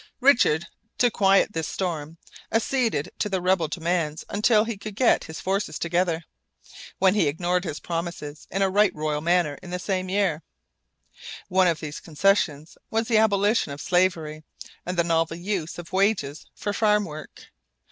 Richard, to quiet this storm, acceded to the rebel demands until he could get his forces together, when he ignored his promises in a right royal manner in the same year. One of these concessions was the abolition of slavery and the novel use of wages for farm work.